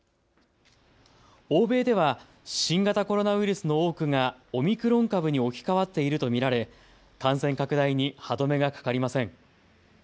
欧米では新型コロナウイルスの多くがオミクロン株に置き換わっていると見られ感染拡大に歯止めがかかりません。